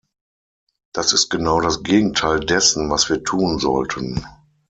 Das ist genau das Gegenteil dessen, was wir tun sollten.